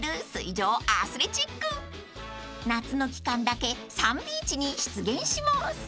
［夏の期間だけサンビーチに出現します］